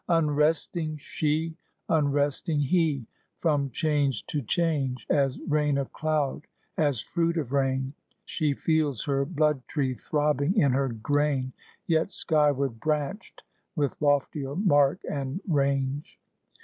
Unresting she, unresting he, from change To change, as rain of cloud, as fruit of rain; She feels her blood tree throbbing in her grain, Yet skyward branched, with loftier mark and range.